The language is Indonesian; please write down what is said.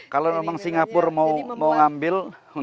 kalau memang singapura mau ngambil